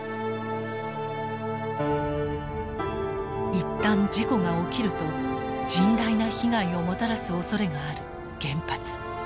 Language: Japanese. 一旦事故が起きると甚大な被害をもたらすおそれがある原発。